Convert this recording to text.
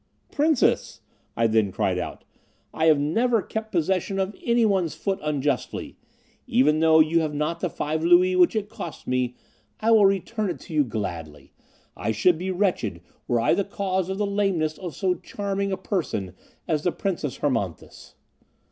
"Princess," I then cried out, "I have never kept possession of anyone's foot unjustly; even though you have not the five louis which it cost me, I will return it to you gladly; I should be wretched, were I the cause of the lameness of so charming a person as the Princess Hermonthis."